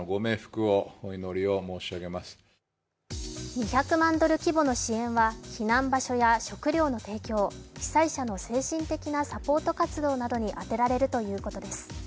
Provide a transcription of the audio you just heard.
２００万ドル規模の支援は避難場所や食料の提供、被災者の精神的なサポート活動などに当てられるということｒです。